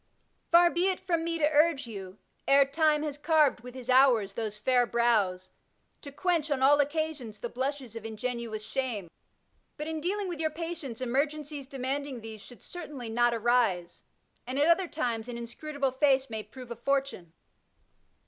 Far be it from me to urge you, ere Time has carved with his hours those &ur brows, to quench on all occasions the blushes of ingenuous shame, but in dealing with your patients emergencies demanding these should certainly not arise, and at other times an inscrutable face may prove a fortune.